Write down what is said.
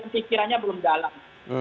pikirannya belum dalam